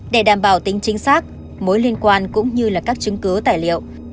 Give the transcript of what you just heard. để đảm bảo tính chính xác mối liên quan cũng như là các chứng cứ tài liệu